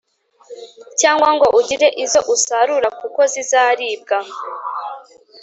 cyangwa ngo ugire izo usarura,+ kuko zizaribwa